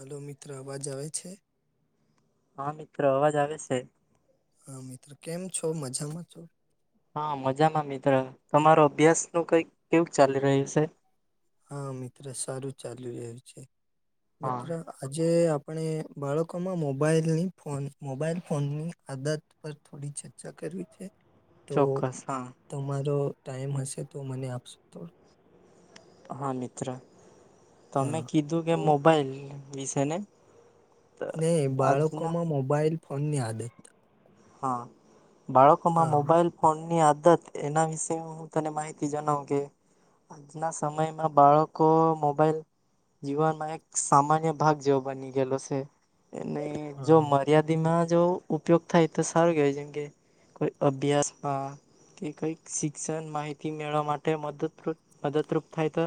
Hello મિત્ર આવાજ આવે છે. હા મિત્ર અવાજ આવે છે. હા મિત્ર કેમ છો મજામાં છો હા મજામાં મિત્ર તમારો અભ્યાસ નું કઈક કેવું ચાલી રહ્યું છે. હા મિત્ર સારું ચાલુ રહ્યું છે હા મિત્ર. આજે આપણે બાળકોમાં મોબાઈલની ફોન મોબાઈલ ફોનની આદત પર. થોડી ચર્ચા કરવી. તો ચોક્કસ હા તમારો ટાઈમ હશે તો મને આપશો. હા મિત્ર તમે હા કીધું કે તો મોબાઈલ વિશે ને. ને બાળકો આજના માં મોબાઈલ ફોન ની આદત. હા બાળકોમાં હા મોબાઈલ. ફોનની આદત એના વિશે હું તને માહિતી જણાવ કે. આજના સમયમાં બાળકો મોબાઈલ. જીવનમાં એક સામાન્ય ભાગ જેવો બની ગયેલો સે. એ જો હા મર્યાદિમાં જો ઉપયોગ થાય તો સારું કેવાય જેમ કે. કોઈ અભ્યાસમાં. કે કઈક શિક્ષણ માહિતી મેળવવા માટે મદદરૂપ મદદરૂપ થાય તો.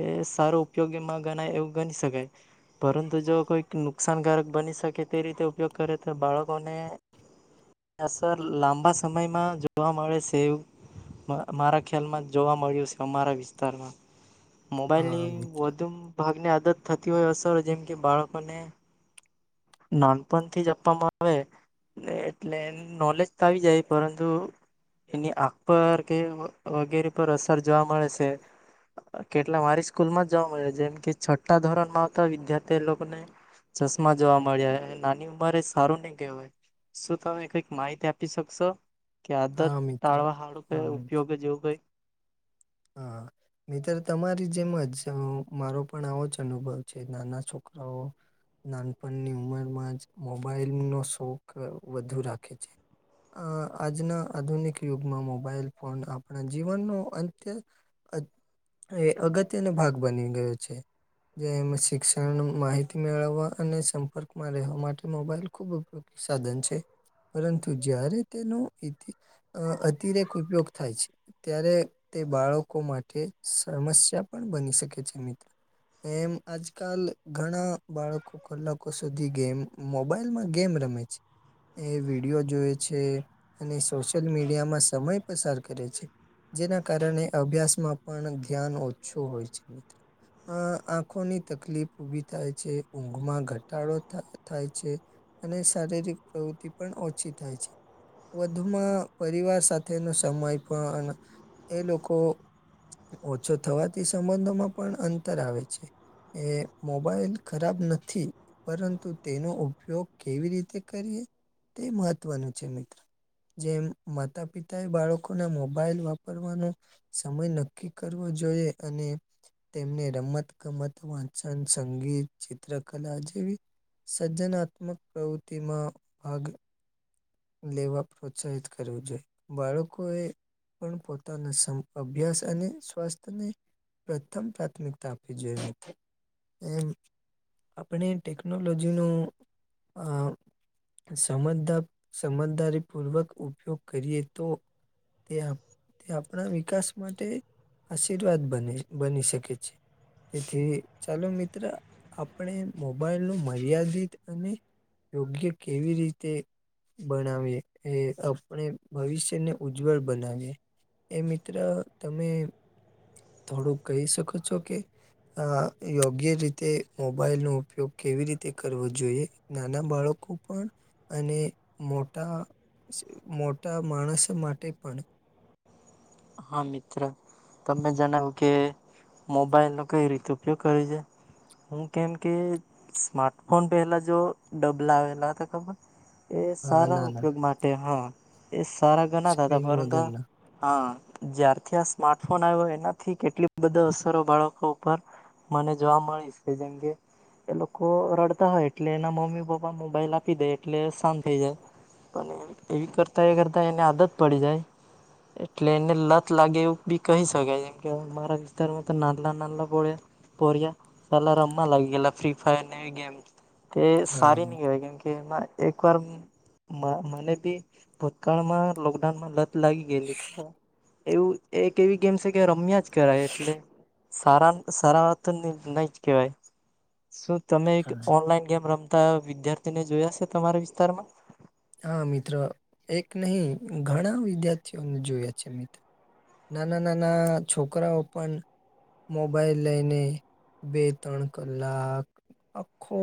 એ સારો ઉપયોગીમાં ગણાય એવું ગણી શકાય. પરંતુ જો કોઈક નુકસાનકારક બની શકે તે રીતે ઉપયોગ કરે તો બાળકોને. ને અસર લાંબા સમયમાં જોવા મળે છેવ. મારા ખ્યાલમાં જોવા મળ્યું છે અમારા વિસ્તારમાં. હા મોબાઈલની મિત્ર વધુ ભાગની આદત થતી હોય અસર જેમ કે બાળકોને. નાનપણથી જ આપવામાં આવે એટલે નોલેજ તો આવી જાય પરંતુ. એની આંખ પર કે વગેરે પર અસર જોવા મળે છે. કેટલા મારી સ્કૂલ માં જ જોવા મળે જેમ કે છઠ્ઠા ધોરણ માં આવતા વિદ્યાર્થી એ લોકોને. ચશ્મા. જોવા મળ્યા નાની ઉંમરે એ સારું નહી કય શું તમે કઈક માહિતી આપી શકશો. કે આદત હા મિત્ર ટાળવા હાડું હા મિત્ર, ઉપયોગ જેવું કઈ. હ. હા મિત્ર તમારી જેમ જ મારો પણ આવો જ અનુભવ છે નાના છોકરાઓ. નાનપણની ઉંમરમાં જ મોબાઈલનો શોખ વધુ રાખે છે. અ આજના આધુનિક યુગમાં મોબાઈલ ફોન આપણા જીવનનો અંત. એ અગત્યનો ભાગ બની ગયો છે. જેમાં શિક્ષણ માહિતી મેળવવા અને સંપર્ક માં રહેવા માટે મોબાઈલ ખુબ ઉપયોગ. સાધન છે. પરંતુ જ્યારે તેનો અતિરેક ઉપયોગ થાય છે ત્યારે. તે બાળકો માટે સમસ્યા પણ બની શકે છે મિત્ર. એમ આજકાલ ઘણા બાળકો. કલાકો સુધી ગેમ મોબાઈલમાં ગેમ રમે છે. એ વિડીયો જોય છે. અને સોશિયલ મીડિયામાં સમય પસાર કરે છે જેના. કારણે અભ્યાસમાં પણ ધ્યાન ઓછું હોય છે મિત. આ આંખોની તકલીફ ઊભી થાય છે ઊંઘમાં ઘટાડો થાય. થાય છે અને શારીરિક પ્રવૃતિ પણ ઓછી થાય છે. વધુમાં પરિવાર સાથેનો સમય પણ એ લોકો. ઓછો થવાથી સંબંધોમાં પણ અંતર આવે છે. એ મોબાઈલ ખરાબ નથી. પરંતુ તેનો ઉપયોગ કેવી રીતે કરીએ તે મહત્વનું છે મિત્ર. જેમ માતા પિતા એ બાળકોને મોબાઈઇલ વાપ. પરવાનો સમય નક્કી કરવો જોઈએ અને. તેમને રમત ગમત વાંચન સંગીત ચિત્રકલા જેવી. સર્જનાત્મક પ્રવૃત્તિમાં ભાગ. લેવા પ્રોત્સાહિત કરવું જોઈએ બાળકોએ. પણ પોતાના અભ્યાસ અને સ્વાસ્થ્યને. પ્રથમ પ્રાથમિકતા આપવી જોઈ એમ. આપણે ટેકનોલોજીનું સમજદાર. સમજદારી પૂર્વક ઉપયોગ કરીએ તો તે. તે આપણા વિકાસ માટે આશીર્વાદ બને બની શકે છે. તેથી ચાલો મિત્ર આપણે મોબાઈલ નું મર્યાદિત અને. યોગ્ય કેવી રીતે. બનાવી એ આપણે ભવિષ્યને ઉજ્જવળ બનાવીએ. એ મિત્ર તમે થોડુંક કહી શકો છો કે. અ યોગ્ય રીતે મોબાઈલ નો ઉપયોગ કેવી રીતે કરવો જોઈએ. નાના બાળકો પણ અને. મોટા મોટા માણસો માટે પણ. હા મિત્ર. તને જણાવ્યું કે મોબાઈલનો કઈ રીતે ઉપયોગ કરે છે. હું કેમ કે સ્માર્ટફોન પેલા જો ડબલા આવેલા હતા ખબર. એ હા સારા ના ના ઉપયોગ માટે હા એ સારા ગણાતા હતા સ્ક્રીન પર તો વગરના હા. જ્યારથી આ સ્માર્ટફોન આવ્યો એનાથી કેટલી બધ અસરો બાળકો ઉપર. મને જોવા મળી કે જેમ કે એ લોકો રડતા હોય એટલે એના મમ્મી પપ્પા મોબાઈલ આપી દે એટલે શાંત થઈ જાય. પણ એવી કરતાં એ કરતાં એને આદત પડી જાય. પટલે એને લત લાગે એવું બી કહી શકાય જેમ કે અમારા વિસ્તારમાં તો નાદલા નાનલા પોરીયા. પરિયા પેલા રમવા લાગી ગેલા ફ્રી ફાયર ગેમ. તે હા સારી નહી કેહેવાય કેમ કે એમાં એકવાર મને બી ભૂતકાળમાં લોકડાઉનમાં લત લાગી ગયેલી એવું એક એવી ગેમ છે કે રમ્યા જ કરાય એટલે સારા સારા તો નહી જ કેવાય. શું તમે એક હા ઓનલાઈન ગેમ રમતા વિદ્યાર્થીને જોયા છે તમારા વિસ્તારમાં? હા મિત્ર એક નહી ઘણા વિદ્યાર્થીઓને જોયા છે મિત્ર. નાના નાના છોકરાઓ પણ મોબાઈલ લઈને બે ત્રણ કલાક આખો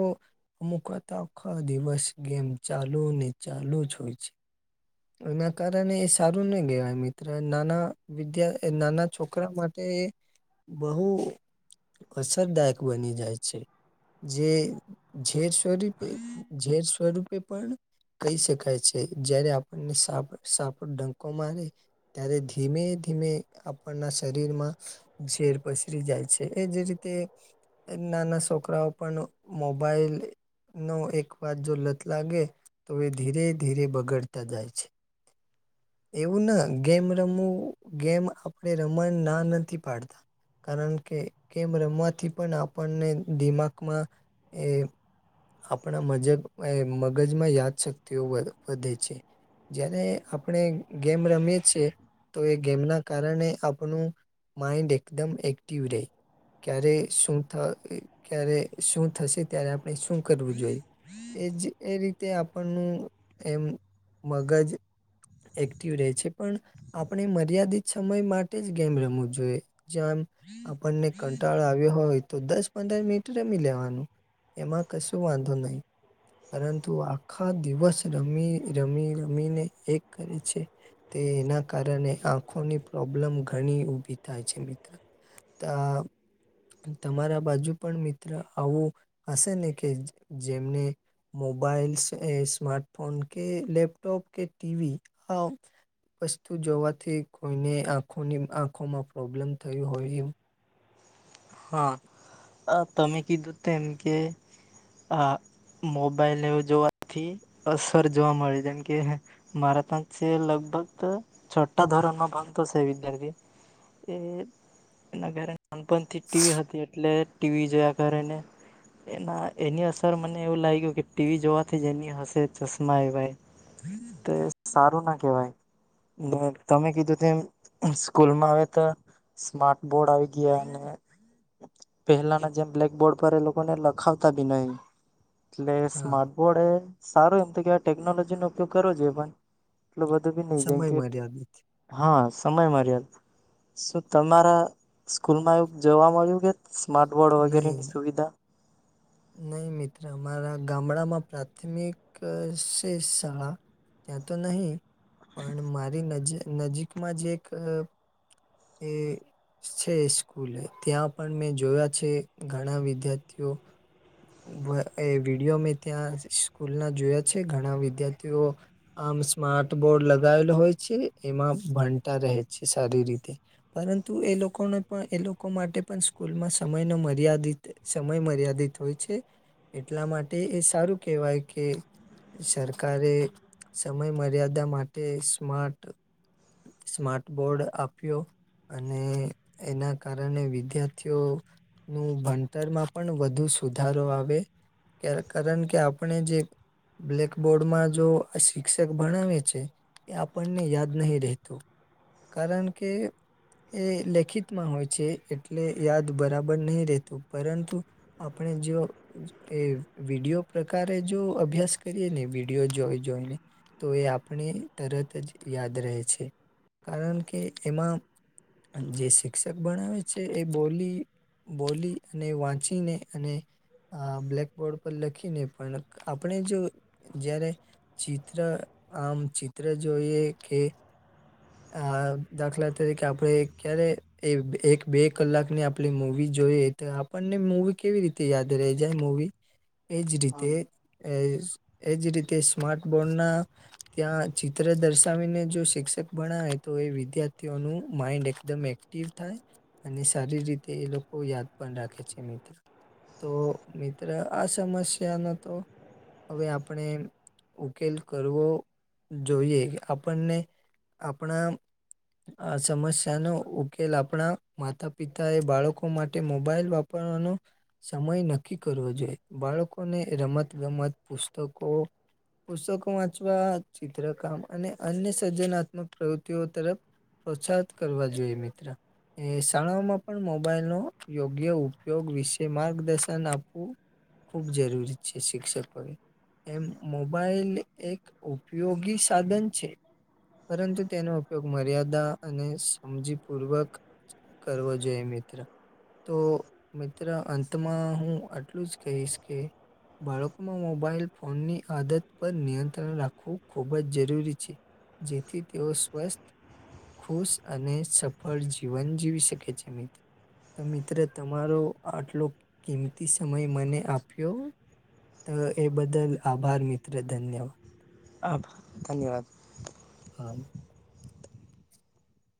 અમુક આખો દિવસ ગેમ ચાલુ ચાલુ જ હોય છે. એના કારણે એ સારું નહી ગહેવાય મિત્ર નાના વિદ્ય નાના છોકરા માટે એ બહુ અસરદાયક બની જાય છે જે ઝેર સ્પ ઝેર સ્વરૂપે પણ કહી શકાય છે જ્યારે અનેને સાપ સાપડ ડંકો મારે ત્યારે ધીમે ધીમે આપણના શરીરમાં ઝેર પસરી જાય છે એ જે રીતે નાના છોકરાઓ પણ મોબાઈલ ન એક વાત જો લત લાગે તો એ ધીરે ધીરે બગડતા જાય છે. એવું ના ગેમ રમવું ગેમ આપણે રમ ના નથી પાડતાં કારણ કે કેમ રમવાથી પણ આપણને દિમાગમાં એ આપણા મજ મગજમાં યાદશક્તિઓ વધે છે. જયારે આપણે ગેમ રમીએ છીએ તો એ ગેમના કારણે આપણું માઇન્ડ એકદમ એક્ટિવ રહે. ક્યારે શું થ ક્યારે શું થશે ત્યારે આપણે શું કરવું જોઈ. એજ એ રીતે આપણનું એમ મગજ એક્ટિવ રહે છે પણ આપણે મર્યાદિત સમય માટે જ ગેમ રમવું જોઈએ. જેમ આપણને કંટાળ આવ્યો હોય તો દસ પંદર મિનટ રમી લેવાનું એમાં કશું વાંધો નહી. પરંતુ આખા દિવસ રમી રમી રમીને એક કરે છે. તે એના કારણે આંખોની પ્રોબ્લેમ ઘણી ઉભી થાય છે મિત્ર. તો તમારા બાજુ પણ મિત્ર આવું હશે ને કે જેમને મોબાઈલસ સ્માાર્ટફોન કે લેપટોપ કે ટીવી હ વસ્તુ જોવાથી કોઈને આંખોની આંખોમાં પ્રોબ્લેમ થયું હોય એવું. હા આ તમે કીધું તેમ કે આ મોબાઈલવ જોવાથી અસર જોવા મળે છેમ કે મારે ત્યાં છે લગભગ છઠ્ઠા ધોરણ માં ભંગતો છે વિદ્યાર્થી એ એના ઘરે નાનપણથી ટીવી હતી એટલે ટીવી જોયા કરીને. એના એની અસર મને એવું લાગ્યું કે ટીવી જોવાથી જ એની હશે ચશ્મા એ ભાઈ તે સારું ના કેવાય તમે કીધું તેમ સ્કૂલમાં આવે તો સ્માર્ટ બોર્ડ આવી ગયા અને પહેલાના જેમ બ્લેકબોર્ડ પર એ લોકોને લખાવતા બી નહીં. એટલે હા સ્માર્ટ બોર્ડ એ સારું એમ તો કેવા ટેકનોલોજી નો ઉપયોગ કરવો જોઈએ પણ લબધભી નહી સમય જાય કે મર્યાદિત હા સમય મર્યાદા તો શું તમારા સ્કૂલમાં આવું જોવા મળ્યું કે સ્માર્ટ બોર્ડ વગેરે ની સુવિ નહીં મિત્ર અમારા ગામડામાં પ્રાથમિક [unintelligible] ત્યા તો નહી પણ મારી નજી નજીકમાં જે એક એ છે સ્કૂલે ત્યાં પણ મેં જોયા છે ઘણા વિદ્યાર્થીઓ એ વિડીયો મેં ત્યાં સ્કૂલ ના જોયા છે ઘણા વિદ્યાર્થીઓ આમ સ્માર્ટ બોર્ડ લગાવેલો હોય છે એમાં ભણતા રહે છે સારી રીતે પરંતુ એ લોકોને પણ એ લોકો માટે પણ સ્કૂલમાં સમયનો મર્યાદિત સમય મર્યાદિત હોય છે એટલા માટે એ સારું કેહેવાય કે સરકારે સમય મર્યાદા માટે સ્માર્ટ સ્માર્ટ બોર્ડ આપ્યો અને એના કારણે વિદ્યાર્થીઓ નું ભણતરમાં પણ વધુ સુધારો આવે કે કારણ કે આપણે જે બ્લેકબોર્ડમાં જો શિક્ષક ભણાવે છે. એ આપણને યાદ નહી રહેતું કારણ કે એ લેખિતમાં હોય છે એટલે યાદ બરાબર નહીં રહેતું પરંતુ આપણે જે એ વિડીયો પ્રકારે જો અભ્યાસ કરીએ ને વિડીયો જોઈ જોઈને તો એ આપણે તરત જ યાદ રહે છે કારણ કે એમાં અને જે શિક્ષક ભણાવે છે એ બોલી બોલી ને વાંચીને અને અ બ્લેકબોર્ડ પર લખીને પણ આપણે જો જારે ચિત્ર આમ ચિત્ર જોઈએ કે આ દાખલા તરીકે આપણે ક્યારે એ એક બે કલાકની આપણે મૂવી જોઈએ તો આપણને મૂવી કેવી રીતે યાદ રઈ જાય મૂવી એજ હા રીતે એ એજ રીતે સ્માર્ટ બોર્ડના ત્યાં ચિત્ર દર્શાવીને જો શિક્ષ ભણાવે તો એ વિદ્યાર્થીઓનું માઇન્ડ એકદમ એક્ટિવ થાય અને સારી રીતે એ લોકો યાદ પણ રાખે છે મિત્ર તો મિત્ર આ સમસ્યા ન તો હવે આપણે ઉકેલ કરવો જોઈએ કે આપણને આપણા આ સમસ્યા નો ઉકેલ આપણા માતા પિતા એ બાળકો માટે મોબાઈલ પણનું સમય નક્કી કરવો જોઈએ બાળકોને રમત ગમત પુસ્તકો પુસ્તકો વાંચવા ચિત્રકામ અને અન્ય સર્જનાત્મક પ્રવૃત્તિઓ તરફ પ્રોત્સાહત કરવા જોઈએ મિત્ર એ શાળાઓમાં પણ મોબાઈલ નો યોગ્ય ઉપયોગ વિશે માર્ગદર્શન આપવું ખૂબ જરૂરી છે શિક્ષકોએ એમ મોબાઈલ એક ઉપયોગી સાધન છે. પરંતુ તેનો ઉપયોગ મર્યાદા અને સમજી પૂર્વક કરવો જોઈએ મિત્ર તો મિત્ર અંતમાં હું આટલું જ કહીશ કે બાળકોમાં મોબાઈલ ફોનની આદત પર નિયંત્રણ રાખવું ખૂબ જ જરૂરી છે. જેથી તેઓ સ્વસ્થ ખુશ અને સફળ જીવન જીવી શકે છે મિત્ર. તો મિત્ર તમારો આટલો કિંમતી સમય મને આપ્યો. તો એ બદલ આભાર મિત્ર ધન્યવાદ આભા ધન્યવાદ આમ